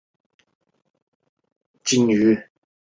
它们是艾什欧鲸科最早分化的成员。